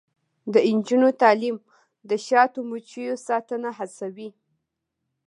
د نجونو تعلیم د شاتو مچیو ساتنه هڅوي.